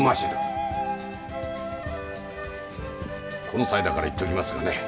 この際だから言っておきますがね